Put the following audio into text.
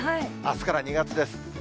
あすから２月です。